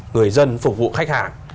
người dân phục vụ khách hàng